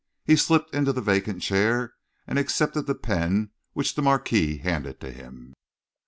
He slipped into the vacant chair and accepted the pen which the Marquis handed to him.